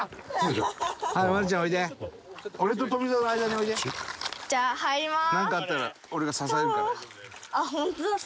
おお！じゃあ入ります！